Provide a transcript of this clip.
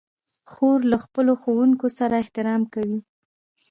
خور له خپلو ښوونکو سره احترام کوي.